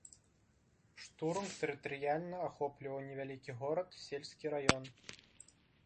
Штурм тэрытарыяльна ахопліваў невялікі горад, сельскі раён.